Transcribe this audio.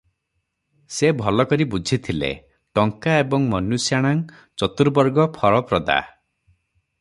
ସେ ଭଲକରି ବୁଝିଥିଲେ "ଟଙ୍କା ଏବଂ ମନୁଷ୍ୟାଣାଂ ଚତୁବର୍ଗଫଳପ୍ରଦା ।